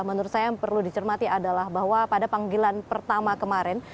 menurut saya yang perlu dicermati adalah bahwa pada panggilan pertama kemarin